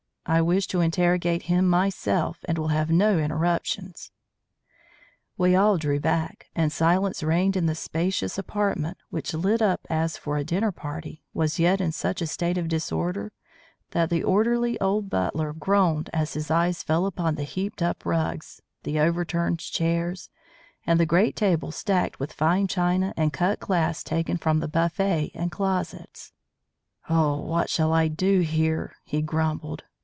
I wish to interrogate him myself and will have no interruptions." We all drew back, and silence reigned in the spacious apartment which, lit up as for a dinner party, was yet in such a state of disorder that the orderly old butler groaned as his eyes fell upon the heaped up rugs, the overturned chairs, and the great table stacked with fine china and cut glass taken from the buffet and closets. "Oh, what shall I do here?" he grumbled.